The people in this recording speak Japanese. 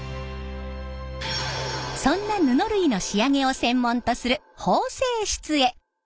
そんな布類の仕上げを専門とする縫製室へ。